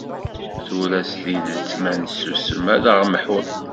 Tura s tidet, ma nessusem ad aɣ-mḥun.